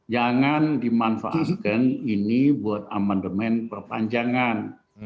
jangan dimanfaatkan ini buat amandemen perpanjangan